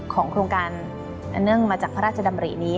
โครงการอันเนื่องมาจากพระราชดำรินี้